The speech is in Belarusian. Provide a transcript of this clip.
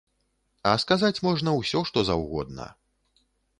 А сказаць можна ўсё што заўгодна.